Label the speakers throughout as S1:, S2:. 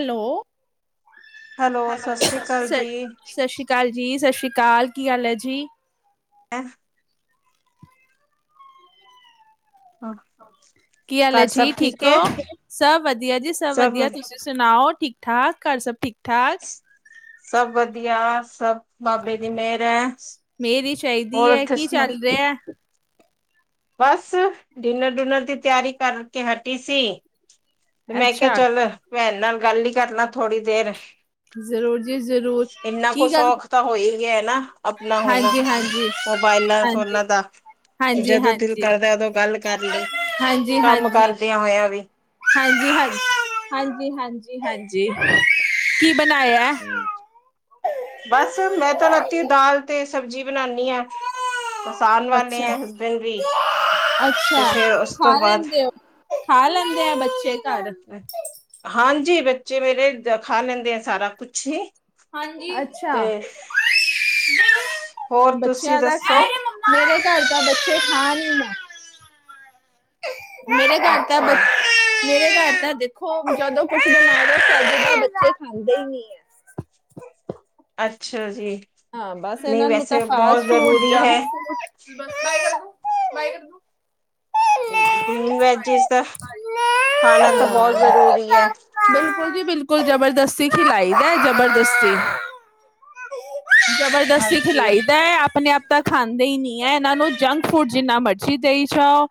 S1: Hello hello
S2: ਸ੍ਰੀ ਅਕਾਲ
S1: ਸਤਿ
S2: ਜੀ।
S1: ਸ਼੍ਰੀ ਸਤੀ ਅਕਾਲ ਜੀ ਸਤਿ ਸ਼੍ਰੀ ਅਕਾਲ ਕੀ ਹਾਲ ਹੈ ਜੀ
S2: ਆ
S1: ਕੀ ਹਾਲ
S2: ਘਰ
S1: ਜੀ
S2: ਸਭ
S1: ਠੀਕ
S2: ਹੈ?
S1: ਹੋ ਸਭ ਵਧੀਆ ਜੀ ਸਭ ਵਧੀਆ ਤੁਸੀਂ ਸੁਣਾਓ ਠੀਕ ਠਾਕ ਘਰ ਸਭ ਠੀਕ ਠਾਕ
S2: ਸਭ ਵਧੀਆ ਸਭ ਬਾਬੇ ਦੀ ਮਿਹਰ ਹੈ
S1: ਮੇਰੀ ਚਾਹੀਦੀ
S2: ਹੋਰ
S1: ਹੈ
S2: ਉੱਥੇ
S1: ਕੀ
S2: ਸੁਣਾ
S1: ਚੱਲ ਰਿਹਾ ਹੈ?
S2: ਬਸ ਡਿਨਰ ਡੁਨਰ ਦੀ ਤਿਆਰੀ ਕਰਕੇ ਹਟੀ ਸੀ ਤੇ ਮੈਂ ਕਿਹਾ
S1: ਅੱਛਾ
S2: ਚੱਲ ਭੈਣ ਨਾਲ ਗੱਲ ਹੀ ਕਰ ਲਾ ਥੋੜ੍ਹੀ ਦੇਰ
S1: ਜ਼ਰੂਰ ਜੀ ਜ਼ਰੂਰ
S2: ਇੰਨਾ ਕੁ
S1: ਕੀ ਗੱਲ
S2: ਸੌਖ ਤਾਂ ਹੋ ਈ ਗਿਆ ਨਾ ਆਪਣਾ ਹੁਣ
S1: ਹਾਂਜੀ ਹਾਂਜੀ
S2: ਮੋਬਾਇਲਾਂ
S1: ਹਾਂਜੀ
S2: ਫੋਨਾਂ ਦਾ ਕਿ
S1: ਹਾਂਜੀ
S2: ਜਦੋਂ ਦਿਲ
S1: ਹਾਂਜੀ
S2: ਕਰਦਾ ਉਦੋਂ ਗੱਲ ਕਰ ਲਈ
S1: ਹਾਂਜੀ
S2: ਕੰਮ ਕਰਦਿਆਂ ਹੋਇਆ ਵੀ
S1: ਹਾਂਜੀ ਹਾਂਜੀ ਹਾਂਜੀ ਹਾਂਜੀ ਹਾਂਜੀ ਕੀ ਬਣਾਇਆ। ਹੈ?
S2: ਬਸ ਮੈਂ ਤਾਂ ਰਾਤੀ ਦਾਲ ਤੇ ਸਬਜ਼ੀ ਬਣਾਉਦੀ ਹਾਂ ਬਸ ਆਉਣ ਵਾਲੇ
S1: ਅੱਛਾ
S2: ਹੈ ਹਸਬੈਂਡ ਵੀ
S1: ਅੱਛਾ
S2: ਤੇ ਫੇਰ ਉਸ ਤੋਂ
S1: ਖਾ
S2: ਬਾਅਦ
S1: ਲੈਂਦੇ ਹੋ ਖਾ ਲੈਂਦੇ ਆ ਬੱਚੇ ਘਰ
S2: ਹਾਂਜੀ ਬੱਚੇ ਮੇਰੇ ਖਾ ਲੈਂਦੇ ਆ ਸਾਰਾ ਕੁਛ ਹੀ
S1: ਹਾਂਜੀ ਅੱਛਾ
S2: ਤੇ ਹੋਰ ਤੁਸੀਂ
S1: ਬੱਚਿਆਂ ਦਾ
S2: ਦੱਸੋ
S1: ਮੇਰੇ ਘਰ ਤਾਂ ਬੱਚੇ ਖਾਣ ਹੀ ਨਾ ਮੇਰੇ ਘਰ ਤਾਂ ਬ
S2: ਅੱਛਾ
S1: ਮੇਰੇ ਘਰ ਤਾਂ ਦੇਖੋ ਜਦੋਂ ਕੁਛ ਬਣਾ ਲਓ ਚੱਜ ਨਾਲ ਬੱਚੇ ਖਾਂਦੇ ਹੀ ਨੀ ਹੈ
S2: ਅੱਛਾ ਜੀ
S1: ਹਾਂ ਬੱਸ
S2: ਨਹੀਂ
S1: ਇਹਨਾਂ ਨੂੰ ਤਾਂ
S2: ਵੈਸੇ
S1: ਫਾਸਟ
S2: ਬਹੁਤ
S1: ਫੂਡ
S2: ਜ਼ਰੂਰੀ ਹੈ
S1: ਜੰਕ ਫੂਡ
S2: ਗ੍ਰੀਨ ਵੈਜਿਸ ਦਾ ਖਾਣਾ ਤਾਂ ਬਹੁਤ ਜ਼ਰੂਰੀ ਹੈ
S1: ਬਿਲਕੁਲ ਜੀ ਬਿਲਕੁਲ ਜਬਰਦਸਤੀ ਖਿਲਾਈ ਦਾ ਜਬਰਦਸਤੀ ਜਬਰਦਸਤੀ
S2: ਹਾਂਜੀ
S1: ਖਿਲਾਈਦਾ ਆਪਣੇ ਆਪ ਤਾਂ ਖਾਂਦੇ ਹੀ ਨਹੀਂ ਹੈ ਇਹਨਾਂ ਨੂੰ ਜੰਕ ਫੂਡ ਜਿੰਨਾ ਮਰਜ਼ੀ ਦੇਈ ਜਾਓ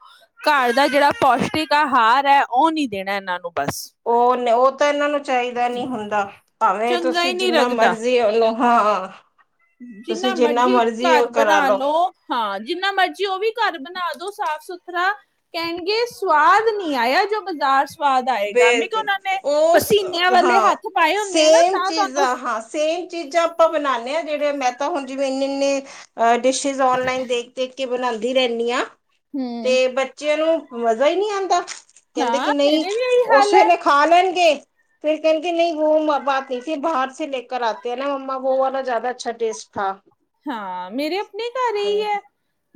S1: ਘਰ ਦਾ ਜਿਹੜਾ ਪੌਸ਼ਟਿਕ ਆਹਾਰ ਹੈ ਉਹ ਨੀ ਦੇਣਾ ਇਹਨਾਂ ਨੂੰ ਬਸ
S2: ਉਹ- ਉਹ ਤਾਂ ਇਹਨਾਂ ਨੂੰ ਚਾਹੀਦਾ ਨੀ ਹੁੰਦਾ ਭਾਵੇਂ
S1: ਚੰਗਾ ਹੀ
S2: ਤੁਸੀਂ
S1: ਨਹੀਂ
S2: ਜਿੰਨਾ
S1: ਲੱਗਦਾ।
S2: ਮਰਜ਼ੀ ਓ ਲਓ ਹਾਂ। ਤੁਸੀਂ
S1: ਜਿੰਨਾ ਮਰਜੀ
S2: ਮਰਜ਼ੀ ਉਹ
S1: ਘਰ ਬਣਾ
S2: ਕਰਾ ਲਓ
S1: ਲੋ। ਹਾਂ। ਜਿੰਨਾ ਮਰਜੀ ਉਹ ਵੀ ਘਰ ਬਣਾ ਦੋ ਸਾਫ਼ ਸੁਥਰਾ ਕਹਿਣਗੇ ਸਵਾਦ ਨਹੀਂ ਆਇਆ ਜੋ ਬਾਜ਼ਾਰ ਸਵਾਦ ਆਏਗਾ ਮੈਂ ਕਿਹਾ
S2: ਬਿਲਕੁਲ
S1: ਉਹਨਾਂ ਨੇ
S2: ਉਹ ਸ
S1: ਪਸੀਨਿਆਂ ਵਾਲੇ
S2: ਹਾਂ
S1: ਹੱਥ ਪਾਏ ਹੁੰਦੇ ਆ ਨਾ
S2: ਸੇਮ
S1: ਤਾਂ ਤੁਹਾਨੂੰ
S2: ਚੀਜ਼ਾਂ ਹਾਂ ਸੇਮ ਚੀਜ਼ਾਂ ਆਪਾਂ ਬਣਾਨੇ ਆ ਜਿੜੇ ਮੈਂਦਾ ਹੁਣ ਜਿਵੇਂ ਇਨੇ- ਇਨੇ ਡਿਸ਼ਿਜ਼ ਆਨਲਾਈਨ ਦੇਖ ਦੇਖਕੇ ਬਣਾਉਂਦੀ ਰਹਿੰਨੀ ਹਾਂ।
S1: ਹੂੰ
S2: ਤੇ ਬੱਚਿਆਂ ਨੂੰ ਮਜ਼ਾ ਹੀ ਨਹੀਂ ਆਉਂਦਾ ਕਹਿੰਦੇ
S1: ਹਾਂ
S2: ਕਿ ਨਹੀਂ
S1: ਮੇਰੇ ਵੀ ਇਹੀ
S2: ਉਸ
S1: ਹਾਲ ਹੈ
S2: ਵੇਲੇ ਖਾ ਲੈਣਗੇ। ਫਿਰ ਕਹਿਣਗੇ ਨਹੀਂ ਵੋ ਬਾਤ ਨਹੀਂ ਥੀ ਫਿਰ ਬਾਹਰ ਸੇ ਲੇ ਕਰ ਆਤੇ ਹੈ ਨਾ ਮੰਮਾ ਬੋ ਵਾਲਾ ਜ਼ਿਆਦਾ ਅੱਛਾ ਟੇਸਟ ਹਾਂ।
S1: ਹਾਂ। ਮੇਰੇ ਆਪਣੇ ਘਰ ਇਹੀ ਹੈ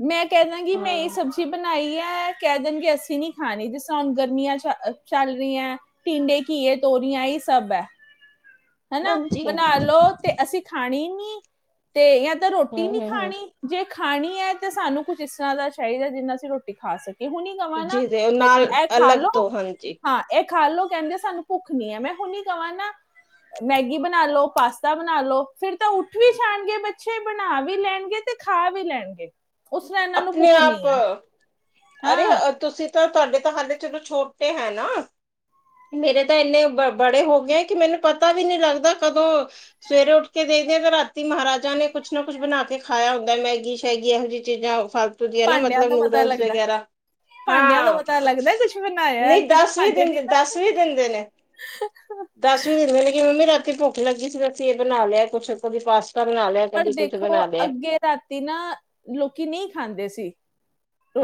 S1: ਮੈਂ ਕਹਿਦਾਂਗੀ ਮੈਂ
S2: ਹਾਂ
S1: ਇਹ ਸਬਜ਼ ਸਬਜੀ ਬਣਾਈ ਹੈ ਕਹਿ ਦੇਣਗੇ ਅਸੀਂ ਨੀ ਖਾਣੀ ਜਿਸ ਤ੍ਹਾਂ ਹੁਣ ਗਰਮੀਆਂ ਚ ਚੱਲ ਰਹੀਆਂ। ਟੀੰਡੇ, ਘੀਏ, ਤੋਰੀਆਂ ਏ ਸਭ ਐ। ਹੇਨਾ,
S2: ਹਾਂਜੀ
S1: ਬਣਾਲੋ ਤੇ ਅਸੀਂ ਖਾਣੀ ਨੀ ਤੇ ਤਾ ਰੋਟੀ
S2: ਹੂੰ
S1: ਨਹੀਂ
S2: ਹੂੰ ਹੂੰ
S1: ਖਾਣੀ, ਜੇ ਖਾਣੀ ਐ ਤੇ ਸਾਨੂੰ ਕੁੱਛ ਇਸ ਤਰ੍ਹਾਂ ਦਾ ਚਾਹੀਦਾ, ਜਿੰਦ ਨਾ ਅਸੀ ਰੋਟੀ ਖਾ ਸਕੇ, ਹੁਨੀ ਕਵਾ ਨਾ
S2: ਜੀ ਨਾਲ
S1: ਇਹ
S2: ਅਲੱਗ
S1: ਖਾਲੋ,
S2: ਤੋਂ ਹਾਂਜੀ
S1: ਹਾਂ ਇਹ ਖਾਲੋ ਕਹਿੰਦੇ ਸਾਨੂੰ ਭੁੱਖ ਨੀ ਐ, ਮੈਂ ਹੁਣ ਈ ਕਵਾ ਨਾ ਮੈਗੀ ਬਣਾਲੋ, ਪਾਸਤਾ ਬਣਾਲੋ ਫਿਰ ਤਾ ਉੱਠ ਵੀ ਜਾਣਗੇ ਬੱਚੇ, ਬਣਾ ਵੀ ਲੈਣਗੇ। ਤੇ ਖਾਵੀ ਲੈਣਗੇ, ਉਸ ਰਾ ਇਹਨਾਂ ਨੂੰ
S2: ਆਪਣੇ
S1: ਭੁੱਖ ਨੀ ਆ।
S2: ਆਪ ਅਰੇ, ਤੁਸੀਂ ਤਾ, ਤੁਹਾਡੇ ਤਾਂ ਹਾਲੇ ਚਲੋ ਛੋਟੇ ਹੈਨਾ ਮੇਰੇ ਤਾਂ ਇੰਨੇ ਬੜੇ ਹੋ ਗਏ ਏ, ਕਿ ਮੈਨੂੰ ਪਤਾ ਵੀ ਨਹੀਂ ਲੱਗਦਾ ਕਦੋ ਸਵੇਰੇ ਉੱਠਕੇ ਦੇਖਦੇ ਆ ਤੇ ਰਾਤੀ ਮਹਾਰਾਜਾ ਨੇ ਕੁੱਛ ਨਾ ਕੁੱਛ ਬਣਾਕੇ ਖਾਇਆ ਹੁੰਦਾ ਏ, ਮੈਗੀ-ਸ਼ੈਗੀ ਇਹੋ ਜਿਹੀ ਚੀਜ਼ਾਂ, ਫਾਲਤੂ ਦੀਆਂ ਨਾ
S1: ਭਾਂਡਿਆਂ
S2: ਮਤਲਬ
S1: ਦਾ ਪਤਾ
S2: ਨੂਡਲਸ
S1: ਲੱਗਦਾ ਹੈ।
S2: ਵਗੈਰਾ।
S1: ਭਾਂਡਿਆਂ ਦਾ
S2: ਹਾਂ,
S1: ਪਤਾ ਲੱਗਦਾ ਹੈ ਕੁਝ ਬਣਾਇਆ ਹੈ
S2: ਨਹੀਂ
S1: ਕਿਉਂਕਿ
S2: ਦੱਸ ਵੀ
S1: ਭਾਂਡੇ
S2: ਦਿੰਦੇ,
S1: ਨਹੀਂ ਨਾ
S2: ਦੱਸ ਵੀ ਦਿੰਦੇ ਨੇ। ਦਸ ਵੀ ਦਿੰਦੇ ਨੇ, ਕਿ ਮੰਮੀ ਰਾਤੀ ਭੁੱਖ ਲੱਗੀ ਸੀ ਅਸੀ ਇਹ ਬਣਾ ਲਿਆ ਕੁੱਛ, ਕਦੀ ਪਾਸ ਕਰਨਾ ਲਿਆ,
S1: ਪਰ
S2: ਕਦੀ ਕੁਛ
S1: ਦੇਖੋ
S2: ਬਣਾ ਲਿਆ।
S1: ਅੱਗੇ ਰਾਤੀ ਨਾ, ਲੋਕੀ ਨਹੀਂ ਖਾਂਦੇ ਸੀ,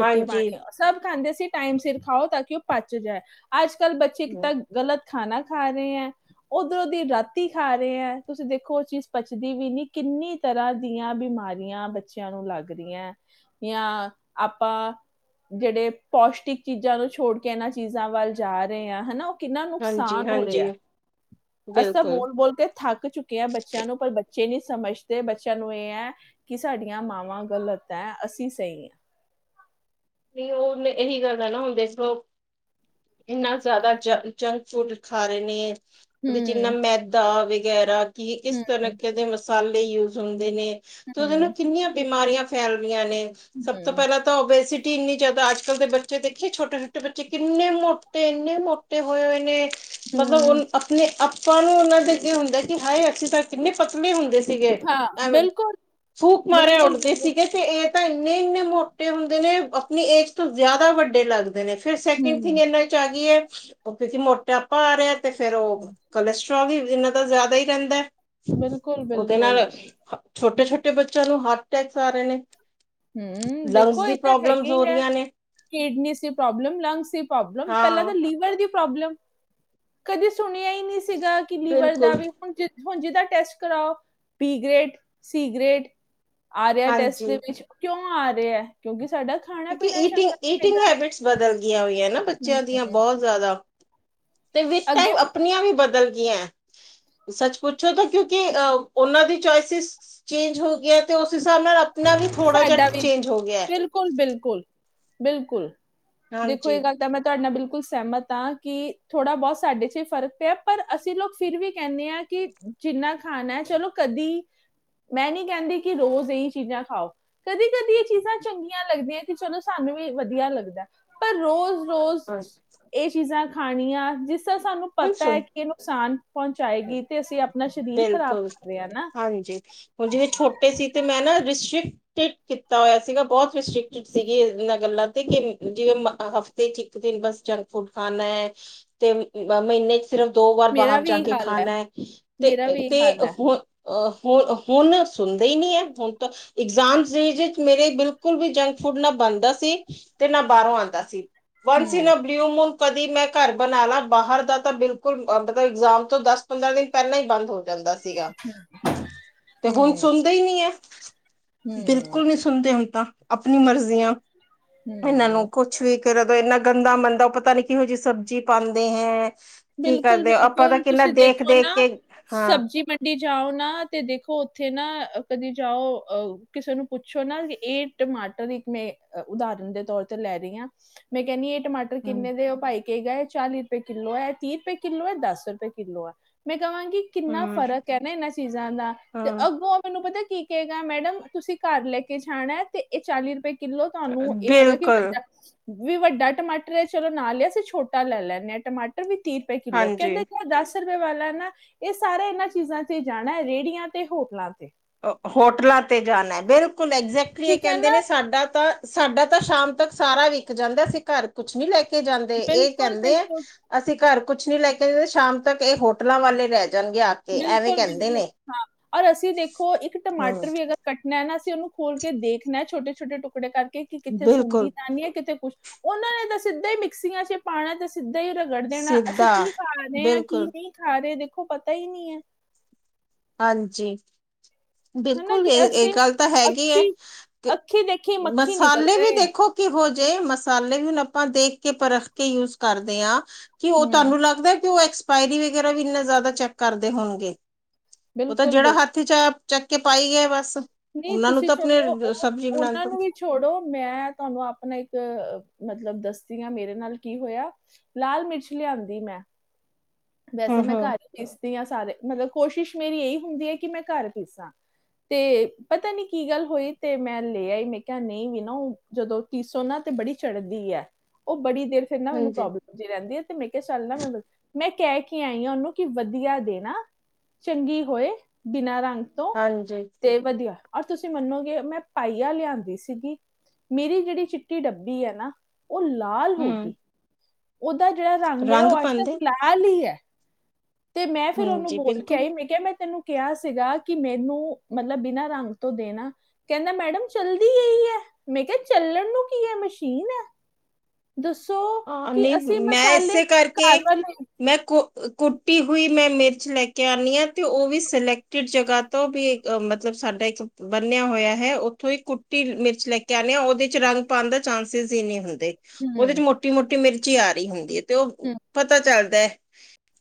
S2: ਹਾਂਜੀ
S1: ਸਭ ਖਾਂਦੇ ਸੀ ਟਾਈਮ ਸਿਰ ਖਾਓ, ਤਾਂ ਕਿ ਓ ਪੱਚ ਜਾਏ, ਅੱਜ-ਕੱਲ ਬੱਚੇ ਕਿ
S2: ਹਮ,
S1: ਤਾ ਗ਼ਲਤ ਖਾਣਾ ਖਾ ਰਹੇ ਐਂ। ਉਧਰੋਂ ਦੀ ਰਾਤੀ ਖਾ ਰਹੇ ਐਂ, ਤੁਸੀਂ ਦੇਖੋ ਓ ਚੀਜ਼ ਪਚਦੀ ਵੀ ਨੀ। ਕਿੰਨੀ ਤਰ੍ਹਾਂ ਦੀਆਂ ਬਿਮਾਰੀਆਂ ਬੱਚਿਆਂ ਨੂੰ ਲੱਗ ਰੀਆਂ। ਯਾਂ, ਆਪਾ ਜਿਹੜੇ ਪੌਸ਼ਟਿਕ ਚੀਜ਼ਾਂ ਨੂੰ ਛੋੜਕੇ, ਇਹਨਾਂ ਚੀਜ਼ਾਂ ਵੱਲ ਜਾ ਰਹੇ ਆ ਹਨਾ ਕਿੰਨਾ
S2: ਹਾਂਜੀ
S1: ਨੁਕਸਾਨ ਹੋ
S2: ਹਾਂਜੀ
S1: ਰਿਹਾ, ਅਸੀ ਤਾਂ
S2: ਬਿਲਕੁਲ
S1: ਬੋਲ-ਬੋਲਕੇ ਥੱਕ ਚੁੱਕੇ ਆ ਬੱਚਿਆਂ ਨੂੰ, ਪਰ ਬੱਚੇ ਨੀ ਸਮਝਦੇ, ਬੱਚਿਆਂ ਨੂੰ ਇਹ ਐ, ਕਿ ਸਾਡੀਆਂ ਮਾਵਾਂ ਗਲਤ ਐ, ਅਸੀਂ ਸਹੀ ਆ।
S2: ਨਹੀਂ, ਉਹ ਇਹਨੇ ਓਹੀ ਕਰਨਾ, ਨਾ ਹੁੰਣ ਦੇਖਲੋ ਇੰਨਾ ਜ਼ਿਆਦਾ ਜੰਕ ਫੂਡ ਖਾ ਰਹੇ ਨੇ। ਉਹਦੇ'ਚ ਇੰਨਾ
S1: ਹੂੰ,
S2: ਮੈਦਾ ਵਗੈਰਾ, ਕੀ ਕਿਸ
S1: ਹੂੰ,
S2: ਤਰਕੇ ਦੇ ਮਸਾਲੇ ਯੂਜ ਹੁੰਦੇ ਨੇ। ਤੇ ਉਹਦੇ ਨਾ
S1: ਹੂੰ,
S2: ਕਿੰਨੀਆਂ ਬਿਮਾਰੀਆਂ ਫੈਲ ਰਹੀਆਂ ਨੇ, ਸਭ ਤੋਂ
S1: ਹੂੰ।
S2: ਪਹਿਲਾਂ ਤਾ ਔਬਵੇਸੀ ਇੰਨੀ ਜ਼ਿਆਦਾ ਅੱਜ-ਕੱਲ ਦੇ ਬੱਚੇ ਦੇਖੇ, ਛੋਟੇ-ਛੋਟੇ ਬੱਚੇ ਕਿੰਨੇ ਮੋਟੇ, ਇੰਨੇ ਮੋਟੇ ਹੋਏ ਹੋਏ ਨੇ। ਮਤਲਬ
S1: ਹੂੰ,
S2: ਉਹ ਆਪਣੇ, ਆਪਾਂ ਨੂੰ ਉਹਨਾਂ ਦੇ ਅੱਗੇ ਹੁੰਦਾ ਕਿ ਹਾਏ ਅਸੀ ਤਾ‌ ਕਿੰਨੇ ਪਤਲੇ ਹੁੰਦੇ ਸੀਗੇ,
S1: ਹਾਂ,
S2: ਐਵੇਂ
S1: ਬਿਲਕੁਲ,
S2: ਫੂਕ ਮਾਰੇ
S1: ਬਿਲਕੁਲ,
S2: ਉੱਠਦੇ
S1: ਬਿਲਕੁਲ।
S2: ਸੀਗੇ ਤੇ ਇਹ ਤਾ ਇੰਨੇ-ਇੰਨੇ ਮੋਟੇ ਹੁੰਦੇ ਨੇ, ਆਪਣੀ ਏਜ ਤੋਂ ਜ਼ਿਆਦਾ ਵੱਡੇ ਲੱਗਦੇ। ਨੇ ਫਿਰ ਸੈਕਿੰਡ ਥਿੰਗ
S1: ਹੂੰ,
S2: ਇਹਨਾਂ'ਚ ਆ ਗਈ ਏ, ਕਿਉਂਕਿ ਮ੍ਹੋਟਾਪਾ ਆ ਰਿਹਾ ਏ, ਤੇ ਫਿਰ ਉਹ
S1: ਹੂੰ,
S2: ਕੋਲੈਸਟਰ੍ਰੋਲ ਵੀ ਇੰਨਾ ਦਾ ਜ਼ਿਆਦਾ ਹੀ ਰਹਿੰਦਾ,
S1: ਬਿਲਕੁਲ,
S2: ਉਹਦੇ
S1: ਬਿਲਕੁਲ।
S2: ਨਾਲ ਛੋਟੇ-ਛੋਟੇ ਬੱਚਿਆਂ ਨੂੰ ਹਾਰਟ ਅਟੈਕਸ ਆ ਰਹੇ ਨੇ।
S1: ਹੂੰ,
S2: ਲੰਗਸ
S1: ਦੇਖੋ
S2: ਦੀ
S1: ਇਹ ਤਾਂ
S2: ਪ੍ਰੋਬਲਮਸ
S1: ਹੈਗੇ
S2: ਹੋ ਰਹੀਆਂ ਨੇ
S1: ਕਿਡਨੀ ਦੀ ਪ੍ਰੌਬਲਮ, ਲੰਗਸ ਦੀ ਪ੍ਰੌਬਲਮ, ਪਹਿਲਾਂ
S2: ਹਾਂ
S1: ਤਾਂ ਲੀਵਰ ਦੀ ਕਦੇ ਸੁਣਿਆ ਈ ਨਹੀਂ ਸੀਗਾ, ਕਿ ਲੀਵਰ ਦਾ
S2: ਬਿਲਕੁਲ
S1: ਵੀ ਹੁਣ ਹੁਣ ਜਿੱਦਾਂ ਟੈਸਟ ਕਰਾਓ, ਬੀ ਗ੍ਰੇਡ, ਸੀ ਗ੍ਰੇਡ ਆਰਿਆ ਟੈਸਟ ਦੇ
S2: ਹਾਂਜੀ
S1: ਵਿੱਚ। ਕਿਉਂ ਆ ਰਿਹਾ, ਕਿਉਂਕਿ ਸਾਡਾ ਖਾਣਾ
S2: ਕਿਉਂਕਿ
S1: ਪੀਣਾ
S2: ਈਟਿੰਗ,
S1: ਚੰਗਾ ਨਹੀਂ
S2: ਈਟਿੰਗ ਹੈਬਿਟਸ ਬਦਲ ਗਈਆਂ ਹੋਈਆਂ ਨਾ ਬੱਚਿਆਂ ਦੀਆਂ,
S1: ਹੈਗਾ
S2: ਬਹੁਤ ਜ਼ਿਆਦਾ। ਤੇ ਵਿੱਚ
S1: ਅੱਗੇ
S2: ਟਾਈਮ, ਅਪਣੀਆਂ ਵੀ ਬਦਲ ਗੀਆਂ। ਸੱਚ ਪੁੱਛੋ ਤਾ ਕਿਉਂਕਿ, ਅਹ ਉਹਨਾਂ ਦੀ ਚੌਇਸਿਸ ਚੇਂਜ ਹੋਗਿਆ, ਤੇ ਓਸ ਹਿਸਾਬ ਨਾਲ ਅਪਨਾ ਵੀ ਥੋੜਾ ਜਿਹਾ ਚੇਂਜ ਹੋਗਿਆ।
S1: ਬਿਲਕੁਲ-ਬਿਲਕੁਲ, ਬਿਲਕੁਲ, ਦੇਖੋ
S2: ਹਾਂਜੀ
S1: ਇਹ ਗੱਲ ਤਾਂ ਮੈਂ ਤੁਆਡੇ ਨਾਲ ਬਿਲਕੁਲ ਸੈਮਤ ਆਂ ਕਿ ਥੋੜ੍ਹਾ ਬੋਤ ਸਾਡੇ ਚ ਵੀ ਫਰਕ ਪਿਆ, ਪਰ ਅਸੀਂ ਲੋਕ ਫਿਰ ਵੀ ਕੈਂਦੇ ਆਂ ਕਿ ਜਿਨਾ ਖਾਨੈ ਚਲੋ ਕਦੀ, ਮੈਂ ਨੀ ਕੈਂਦੀ ਕਿ ਰੋਜ਼ ਐਈ ਚੀਜ਼ਾ ਖਾਓ ਕਦੀ-ਕਦੀ ਏ ਚੀਜ਼ਾਂ ਚੰਗੀਆਂ ਲੱਗਦੀਆਂ ਤੇ ਚਲੋ ਸਾਨੂੰ ਵੀ ਵਧੀਆ ਲੱਗਦੈ। ਪਰ ਰੋਜ਼-ਰੋਜ਼
S2: [inaudible]
S1: ਏ ਚੀਜ਼ਾਂ ਖਾਨੀਆਂ ਜਿਸਦਾ ਸਾਨੂੰ
S2: ਹੁਣ
S1: ਪਤਾ ਏ
S2: ਸੁਣ
S1: ਕਿ ਏ ਨੁਕਸਾਨ ਪਹੁੰਚਾਏਗੀ ਤੇ ਅਸੀਂ ਆਪਣਾ ਸਰੀਰ ਖ਼ਰਾਬ
S2: ਬਿਲਕੁਲ
S1: ਕਰ ਰਏ ਆਂ ਨਾ।
S2: ਏ ਸੀ ਤੇ ਮੈਂ ਨਾ ਰਿਸ਼ਿਕ ਟਟ ਕੀਤਾ ਹੋਇਆ ਸੀਗਾ ਬਹੁਤ ਰਿਸਟ੍ਰਿਕਟ ਸੀਗੀ ਇਨਾਂ ਗੱਲਾਂ ਤੇ ਕਿ ਜਿਵੇਂ ਮ ਹਫ ਤੇ ਚ ਇੱਕ ਦਿਨ ਬਸ ਜੰਕ ਫੂਡ ਖਾਨੈ ਤੇ ਮੀਨੇ ਚ ਸਿਰਫ ਦੋ ਵਾਰ
S1: ਮੇਰਾ
S2: ਬਾਹਰ ਜਾ
S1: ਵੀ ਇਹ
S2: ਕੇ
S1: ਹਾਲ ਹੈ
S2: ਖਾਨੈ, ਤੇ
S1: ਮੇਰਾ ਵੀ ਇਹ
S2: ਤੇ
S1: ਹਾਲ ਹੈ
S2: ਹੁ ਅ ਹੁ ਹੁਨ ਸੁਨਦੇ ਈ ਨੀ ਏ ਹੁਨ ਤਾਂ ਇਗਜ਼ਾਮ ਚ ਮੇਰੇ ਬਿਲਕੁਲ ਵੀ ਜੰਕ ਫੁਡ ਨਾ ਬਨਦਾ ਸੀ ਤੇ ਨਾ ਬਾਰੋਂ ਆਂਦਾ ਸੀ। ਵਨ
S1: ਹੂੰ
S2: ਬ ਮੂਨ ਕਦੀ ਮੈਂ ਘਾਰ ਬਨਾ ਲਾ ਬਾਰ ਦਾ ਤਾਂ ਬਿਲਕੁਲ ਮਤਲਬ ਇਗਜ਼ਾਮ ਤੋਂ ਦੱਸ ਪੰਦਰਾਂ ਦਿਨ ਪੈਲਾਂ ਈ ਬੰਦ ਹੋ ਜਾਂਦਾ ਸੀਗਾ, ਤੇ ਹੁਨ
S1: ਹੂੰ
S2: ਸੁਨਦੇ ਈ ਨਈ ਏ।
S1: ਹੂੰ
S2: ਬਿਲਕੁਲ ਨੀ ਸੁਨਦੇ ਹੁਨ ਤਾਂ ਆਪਨੀ ਮਰਜ਼ੀਆ ਇਨਾਂ
S1: ਹੂੰ
S2: ਨੂੰ ਕੁਛ ਕੁਛ ਵੀ ਕਰ ਦੋ ਇੰਨਾ ਗੰਦਾ ਮੰਦਾ ਉ ਪਤਾ ਨੀ ਕਿਹੋ ਜਿਹੀ ਸਬਜ਼ੀ ਪਾਂਦੇ ਹੈ। ਕੀ ਕਰਦੇ ੳ, ਆਪਾਂ ਤਾਂ ਕਿੰਨਾ ਦੇਖ ਦੇਖ
S1: ੳਨਾ
S2: ਕੇ ਹਾਂ
S1: ਸਬਜ਼ ਜੀ ਮੰਡੀ ਜਾਓ ਨਾ ਤੇ ਦੇਖੋ ਉੱਥੇ ਨਾ ਕਦੀ ਜਾਓ ਅਹ ਕਿਸੇ ਨੂੰ ਪੁੱਛੋ ਨਾ ਏ ਟਮਾਟਰ ਇੱਕ ਮੈਂ ਉਦਾਹਰਨ ਦੇ ਤੌਰ ਤੇ ਲੈ ਰਈ ਆਂ, ਮੈਂ ਕੈਂਨੀ ਏ ਟਮਾਟਰ
S2: ਹਮ
S1: ਕਿੰਨੇ ਦੇ, ਉ ਭਾਈ ਕੇ ਗਾ ਏ ਚਾਲੀ ਰੁਪੈ ਕਿੱਲੋ ਐ। ਤੀ ਰੁਪੇ ਕਿੱਲੋ ਏ, ਦਸ ਰੁਪੇ ਕਿੱਲੋ ਏ ਮੈਂ ਕਵਾਂਗੀ ਕਿੰਨਾ
S2: ਹਮ
S1: ਫ਼ਰਕ ਐ ਨਾ ਇਨਾਂ ਚੀਜ਼ਾਂ ਦਾ, ਤੇ
S2: ਹਾਂ
S1: ਅੱਗੋਂ- ਤੁਹਾਨੂੰ ਪਤਾ ਕੀ ਕਏਗਾ ਮੈਡਮ, ਤੁਸੀਂ ਘਾਰ ਲੈ ਕੇ ਜਾਨੈ ਤੇ ਐ ਚਾਲੀ ਰੁਪੇ ਕਿਲੋ ਤੁਆਨੂੰ ਏ ਹੈਗਾ ਕਿ
S2: ਬਿਲਕੁਲ
S1: ਵੱਡਾ ਵੀ ਵੱਡਾ ਟਮਾਟਰ ਏ ਚਲੋ ਨਾ ਲਿਆ ਅਸੀਂ ਛੋਟਾ ਲੈ ਲੈਂਨੇ ਆਂ ਟਮਾਟਰ ਵੀ ਤੀ ਰੁਪੇ ਕਿੱਲੋ।
S2: ਹਾਂਜੀ
S1: ਕੈਂਦੇ ਦੱਸ ਵਾਲਾ ਨਾ ਏ ਸਾਰੇ ਇਨਾਂ ਚੀਜ਼ਾਂ ਤੇ ਜਾਣਾ ਰੇੜੀਆਂ ਤੇ ਹੋਟਲਾਂ ਤੇ।
S2: ਹੋਟਲਾਂ ਤੇ ਜਾਨੈ ਬਿਲਕੁਲ ਐਗਜੈਕਟਲੀ ਏ
S1: ਠੀਕ ਹੈ
S2: ਕੈਂਦੇ
S1: ਨਾ
S2: ਨੇ ਸਾਡਾ ਤਾਂ ਸਾਡਾ ਤਾਂ ਸ਼ਾਮ ਤੱਕ ਸਾਰਾ ਵਿਕ ਜਾਂਦਾ ਅਸੀਂ ਘਾਰ ਕੁਛ ਨੀ ਲੈ ਕੇ ਜਾਂਦੇ, ਏ
S1: ਬਿਲਕੁਲ
S2: ਕੈੰਦੇ ਆ
S1: ਬਿਲਕੁਲ
S2: ਅਸੀਂ ਘਰ ਕੁਛ ਨੀ ਲੈ ਕੇ, ਸ਼ਾਮ ਤੱਕ ਏ ਹੋਟਲਾਂ ਵਾਲੇ ਲੈ ਜਾਨਗੇ ਆ ਕੇ ਐਵੇਂ
S1: ਬਿਲਕੁਲ
S2: ਕੈਂਦੇ
S1: ਬਿਲਕੁਲ
S2: ਨੇ।
S1: ਹਾਂ ਔਰ ਅਸੀਂ ਦੇਖੋ ਇੱਕ
S2: ਹਮ
S1: ਟਮਾਟਰ ਵੀ ਅਗਰ ਕੱਟਨੈ ਨਾ ਅਸੀਂ ਉਨੂੰ ਖੋਲ ਕੇ ਦੇਖਨੈ ੳਨੂ ਛੋਟੇ-ਛੋਟੇ ਟੁਕੜੇ ਕਰਕੇ ਕਿ ਕਿੱਤੇ ਸੂਡੀ
S2: ਬਿਲਕੁਲ
S1: ਤਾਂ ਨੀ ਏ ਕਿਤੇ ਕੁਛ ਉਨਾਂ ਨੇ ਤਾਂ ਸਿੱਧਾ ਈ ਮਿਕਸੀਆਂ ਚ ਪਾਣੈ, ਤੇ ਸਿੱਧਾ ਈ ਰਗੜ ਦੇਣਾ, ਅਸੀਂ
S2: ਸਿੱਧਾ
S1: ਕੀ ਖਾ ਰਏ ਆਂ ਕੀ
S2: ਬਿਲਕੁਲ
S1: ਨਈ ਖਾਰੇ ਦੇਖੋ ਪਤਾ ਈ ਨਈ ਏ।
S2: ਹਾਂਜੀ।
S1: ਹਨਾ
S2: ਬਿਲਕੁਲ
S1: ਕਿ
S2: ਏ ਏ
S1: ਅਸੀਂ
S2: ਗੱਲ ਤਾਂ ਹੈਗੀ ਏ,
S1: ਅੱਖੀ
S2: ਕਿ
S1: ਅੱਖੀ ਦੇਖੀ ਮੱਖੀ ਨਿਕਲ
S2: ਮਸਾਲੇ ਵੀ
S1: ਰਹੇ ਹੈ
S2: ਦੇਖੋ ਕੀ ਹੋ ਜੇ, ਮਸਾਲੇ ਵੀ ਹੁਨ ਆਪਾਂ ਦੇਖ ਕੇ ਪਰਖ ਕੇ ਯੂਜ ਕਰਦੇ ਆਂ। ਕਿ ਉ
S1: ਹੂੰ
S2: ਤੁਆਨੂੰ ਲੱਗਦੈ ਕਿ ਉ ਐਕਸਪਾਇਰੀ ਵਗੈਰਾ ਵੀ ਇੰਨਾ ਜਾਦਾ ਚੈੱਕ ਕਰਦੇ ਹੋਨਗੇ। ਉ ਤਾਂ
S1: ਬਿਲਕੁਲ
S2: ਜੇੜਾ
S1: ਬਿਲਕੁਲ
S2: ਹੱਥ ਚ ਆਯਾ ਚੱਕ ਕੇ ਪਾਈ ਗਿਆ ਬਸ,
S1: ਨਹੀਂ
S2: ਉਨਾਂ ਨੂੰ
S1: ਤੁਸੀਂ
S2: ਤਾਂ
S1: ਚਲੋ
S2: ਆਪਨੇ
S1: ਉਹ
S2: ਸਬਜ਼ੀ ਬਨਾਨ
S1: ਉਹਨਾਂ
S2: ਤੋਂ
S1: ਨੂੰ ਵੀ ਛੋੜੋ, ਮੈਂ ਤੁਹਾਨੂੰ ਆਪਨਾ ਇੱਕ ਮਤਲਬ ਦੱਸਦੀ ਆਂ, ਮੇਰੇ ਨਾਲ ਕੀ ਹੋਇਆ ਲਾਲ ਮਿਰਚ ਲਿਆਂਦੀ ਮੈਂ
S2: ਹਮ
S1: ਵੈਸੇ ਮੈਂ
S2: ਹਮ
S1: ਘਾਰ ਪੀਸਦੀ ਆ ਸਾਰੇ ਮਤਲਬ ਕੋਸ਼ਿਸ਼ ਮੇਰੀ ਏਹੀ ਹੁੰਦੀ ਏ, ਕਿ ਮੈਂ ਘਾਰ ਪੀਸਾਂ। ਤੇ ਪਤਾ ਨੀ ਕੀ ਗੱਲ ਹੋਈ, ਤੇ ਮੈਂ ਲੈ ਆਈ। ਮੈਂ ਕਿਹਾ ਨਹੀਂ ਵੀ ਨਾ ਉਹ ਜਦੋਂ ਪੀਸੋ ਨਾ ਤੇ ਬੜੀ ਚੜ੍ਹਦੀ ਹੈ। ਉਹ ਬੜੀ ਦੇਰ ਫੇਰ ਨਾ ਮੈਨੂੰ
S2: ਹਾਂਜੀ
S1: ਪ੍ਰੋਬਲਮ ਜੀ ਰਹਿੰਦੀ ਹੈ ਤੇ ਮੈਂ ਕਿਹਾ ਚੱਲ ਨਾ ਮੈਂ ਮੈਂ ਕਹਿ ਕੇ ਆਈ ਉਹਨੂੰ ਕਿ ਵਧੀਆ ਦੇਣਾ ਚੰਗੀ ਹੋਏ ਬਿਨਾਂ ਰੰਗ ਤੋਂ
S2: ਹਾਂਜੀ
S1: ਤੇ ਵਧੀਆ ਆਹ ਤੁਸੀਂ ਮਨੋਂਗੇ ਮੈਂ ਪਾਈਆ ਲਿਆਂਦੀ ਸੀਗੀ ਮੇਰੀ ਜਿਹੜੀ ਚਿੱਟੀ ਡੱਬੀ ਹੈ ਨਾ ਉਹ ਲਾਲ ਹੋ
S2: ਹਮ
S1: ਗਈ ਉਹਦਾ ਜਿਹੜਾ ਰੰਗ ਹੈ ਉਹ ਅੱਜ ਤੱਕ ਲਾ ਲਾਲ ਹੀ ਹੈ ਤੇ ਮੈਂ ਫਿਰ ਉਹਨੂੰ
S2: ਹਾਂਜੀ
S1: ਬੋਲ ਕੇ
S2: ਬਿਲਕੁਲ
S1: ਆਈ ਮੈਂ ਕਿਹਾ ਮੈਂ ਤੈਨੂੰ ਕਿਹਾ ਸੀਗਾ ਕਿ ਮੈਨੂੰ ਮਤਲਬ ਬਿਨਾਂ ਰੰਗ ਤੋਂ ਦੇਣਾ ਕਹਿੰਦਾ ਮੈਡਮ ਚੱਲਦੀ ਵੀ ਹੈ ਮੈਂ ਕਿਹਾ ਚੱਲਣ ਨੂੰ ਕੀ ਹੈ ਮਸ਼ੀਨ ਹੈ। ਦੱਸੋ
S2: ਹਾਂ
S1: ਕਿ ਅਸੀਂ
S2: ਨਹੀਂ ਮੈਂ
S1: ਮਸਾਲੇ
S2: ਇਸੇ ਕਰਕੇ।
S1: ਘਰ ਵਾਲੇ
S2: ਮੈਂ ਕੋ ਕੁਟੀ ਹੋਈ ਮੈਂ ਮਿਰਚ ਲੈ ਕੇ ਆਉਂਣੀ ਹਾਂ ਤੇ ਉਹ ਵੀ ਸਿਲੈਕਟਡ ਜਗ੍ਹਾ ਤੋਂ ਵੀ ਇੱਕ ਮਤਲਬ ਸਾਡਾ ਇੱਕ ਬੰਨਿਆ ਹੋਇਆ ਹੈ ਉੱਥੋਂ ਹੀ ਕੁੱਟੀ ਮਿਰਚ ਲੈ ਕੇ ਆਣੇ ਉਹਦੇ ਚੱ ਰੰਗ ਪਾਉਣ ਦਾ ਚਾਂਸਿਸ ਹੀ ਨਹੀਂ ਹੁੰਦੇ‌।
S1: ਹੂੰ
S2: ਉਹਦੇ ਚ ਮੋਟੀ ਮੋਟੀ ਮਿਰਚੀ ਆ ਰਹੀ ਹੁੰਦੀ ਹੈ ਤੇ ਉਹ
S1: ਹੂੰ
S2: ਪਤਾ ਚੱਲਦਾ ਹੈ।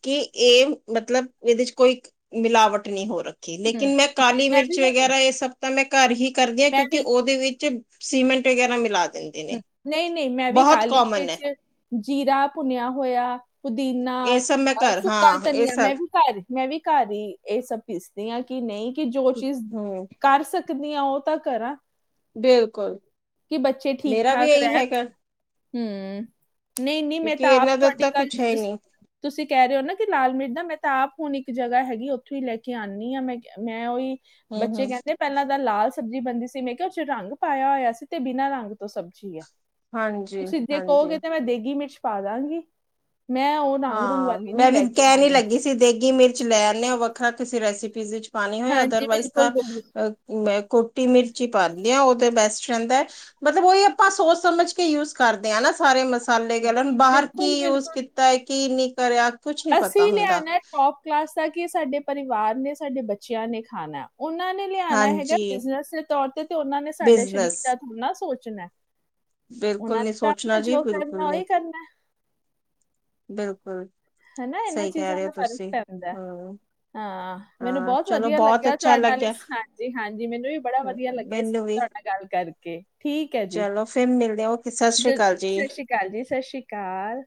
S2: ਕਿ ਇਹ ਮਤਲਬ ਇਹਦੇ ਚੱ ਕੋਈ ਮਿਲਾਵਟ ਨਹੀਂ ਹੋ ਰਹੀ।
S1: ਹੂੰ
S2: ਲੇਕਿਨ ਮੈਂ ਕਾਲੀ
S1: ਮੈਂ ਵੀ
S2: ਮਿਰਚ
S1: ਹੁਣ
S2: ਵਗੈਰਾ ਇਹ ਸਭ ਤਾਂ ਮੈਂ ਘਰ ਹੀ ਕਰਦੀ ਹਾਂ
S1: ਮੈਂ
S2: ਕਿਉਂਕਿ
S1: ਵੀ
S2: ਉਹਦੇ ਵਿੱਚ। ਸੀਮੈਂਟ ਵਗੈਰਾ ਮਿਲਾ ਦਿੰਦੇ ਨੇ
S1: ਨਹੀਂ ਨਹੀਂ ਮੈਂ ਵੀ
S2: ਬਹੁਤ
S1: ਕਾਲੀ
S2: ਕਾਮਨ ਹੈ
S1: ਮਿਰਚ ਜੀਰਾ ਭੁੰਨਿਆ ਹੋਇਆ ਪੁਦੀਨਾ
S2: ਇਹ ਸਭ ਮੈਂ
S1: ਆ
S2: ਘਰ
S1: ਸੁੱਕਾ
S2: ਹਾਂ ਇਹ
S1: ਧਨੀਆ ਮੈਂ
S2: ਸਭ
S1: ਵੀ ਘਰ ਮੈਂ ਵੀ ਘਰ ਹੀ ਇਹ ਸਭ ਪੀਸਦੀ ਹਾਂ ਕਿ ਨਹੀਂ ਕਿ ਜੋ ਚੀਜ਼
S2: ਹੂੰ
S1: ਕਰ ਸਕ ਦੀ ਆ ਉਹ ਤਾਂ ਕਰਾਂ
S2: ਬਿਲਕੁੱਲ
S1: ਕਿ ਬੱਚੇ ਠੀਕ ਠਾਕ ਰਹਿਣ ਹਮ ਨਹੀਂ ਨਹੀਂ ਮੈਂ
S2: ਕਿਉਂਕਿ
S1: ਤਾਂ ਆਪ
S2: ਇਹਨਾਂ ਦਾ
S1: ਤੁਹਾਡੀ
S2: ਤਾਂ
S1: ਗੱਲ
S2: ਕੁਛ ਹੈ ਹੀ
S1: ਦੱਸ
S2: ਨਹੀਂ
S1: ਤੁਸੀਂ ਕਹਿ ਰਹੇ ਹੋ ਨਾ ਕਿ ਲਾਲ ਮਿਰਚ ਮੈਂ ਤਾਂ ਆਪ ਹੁਣ ਇੱਕ ਜਗ੍ਹਾ ਹੈਗੀ ਉੱਥੋਂ ਹੀ ਲੈ ਕੇ ਆਉਂਦੀ ਹਾਂ ਮੈਂ ਮੈਂ ਉਹੀ
S2: ਹੂੰ
S1: ਬੱਚੇ
S2: ਹੂੰ
S1: ਕਹਿੰਦੇ ਪਹਿਲਾਂ ਤਾਂ ਲਾਲ ਸਬਜ਼ੀ ਬਣਦੀ ਸੀ ਮੈਂ ਕਿਹਾ ਉਹ ਚੇ ਰੰਗ ਪਾਇਆ ਹੋਇਆ ਸੀ ਤੇ ਬਿਨਾਂ ਰੰਗ ਤੋਂ ਸਬਜ਼ੀ ਹੈ
S2: ਹਾਂਜੀ
S1: ਤੁਸੀਂ ਦੇ
S2: ਹਾਂਜੀ
S1: ਕਹੋਗੇ ਤੇ ਮੈਂ ਦੇਗੀ ਮਿਰਚ ਪਾ ਦਾਂਗੀ ਮੈਂ ਉਹ
S2: ਹਾਂ ਮੈਂ ਵੀ ਕਹਿਣ ਨੀ ਲੱਗੀ ਸੀ ਦੇਗੀ ਮਿਰਚ ਲੈ ਆਦੇ ਹੋ ਵੱਖਰਾ ਕਿਸੇ ਰੈਸਪੀ ਵਿੱਚ ਪਾਣੀ ਹੋਏ ਅਦਰਵਾਈਜ਼ ਤਾਂ ਅ ਕੋਟੀ ਮਿਰਚੀ ਪਾ ਦਿਂਦੀ ਆ ਉਹ ਤਾਂ ਬੈਸਟ ਰਹਿੰਦਾ ਹੈ। ਮਤਲਬ ਉਹੀ ਆਪਾਂ ਸੋਚ ਸਮਝ ਕੇ ਯੂਜ ਕਰਦੇ ਹਾਂ ਸਾਰੇ ਮਸਾਲੇ ਮਸਾਲੇ ਗਰਮ ਬਾਹਰ ਕੀ ਯੂਜ ਕੀਤਾ ਹੈ ਕੀ ਨੀ ਕਰਿਆ। ਕੁਛ ਨਹੀਂ
S1: ਅਸੀਂ
S2: ਪਤਾ ਹੁੰਦਾ
S1: ਲਿਆਉਣਾ ਟੋਪ ਕਲਾਸ ਦਾ ਕੀ ਸਾਡੇ ਪਰਿਵਾਰ ਨੇ ਸਾਡੇ ਬੱਚਿਆਂ ਨੇ ਖਾਣਾ ਉਹਨਾਂ ਨੇ ਲਿਆਉਣਾ ਹੈਗਾ
S2: ਹਾਂਜੀ
S1: ਬਿਜਨਸ ਦੇ ਤੌਰ ਤੇ ਤੇ ਉਹਨਾਂ ਨੇ ਸਾਡੇ ਸਰੀਰ
S2: ਬਿਜਨਸ
S1: ਦਾ। ਉਹਨਾਂ ਸੋਚਣਾ
S2: ਬਿਲਕੁਲ
S1: ਉਹਨਾਂ
S2: ਨਹੀਂ
S1: ਨੇ
S2: ਸੋਚਣਾ ਜੀ
S1: ਜੋ ਕਰਨਾ
S2: ਬਿਲਕੁਲ
S1: ਉਹੀ ਕਰਨਾ।
S2: ਬਿਲਕੁੱਲ
S1: ਹਨਾ ਇਹਨਾਂ ਚੀਜ਼ਾਂ ਦਾ ਫ਼ਰਕ ਪੈਂਦਾ।
S2: ਹੂੰ
S1: ਹਾਂ ਮੈਨੂੰ
S2: ਹਾਂ
S1: ਬਹੁਤ
S2: ਚਲੋ
S1: ਵਧੀਆ
S2: ਬਹੁਤ
S1: ਲੱਗਿਆ
S2: ਅੱਛਾ
S1: ਤੁਹਾਡੇ ਨਾਲ
S2: ਲੱਗਿਆ
S1: ਹਾਂਜੀ ਮੈਨੂੰ ਵੀ ਬੜਾ ਵਧੀਆ ਲੱਗਿਆ
S2: ਮੈਨੂੰ ਵੀ
S1: ਤੁਹਾਡੇ ਨਾਲ ਗੱਲ ਕਰਕੇ ਠੀਕ ਹੈ ਜੀ
S2: ਚਲੋ ਫਿਰ ਮਿਲਦੇ ਹਾਂ। ਓਕੇ ਸ੍ਰੀ ਅਕਾਲ
S1: ਸਤਿ
S2: ਜੀ।
S1: ਸ਼੍ਰੀ ਸਤਿ ਸ੍ਰੀ ਅਕਾਲ ਜੀ ਸਤਿ ਸ਼੍ਰੀ ਅਕਾਲ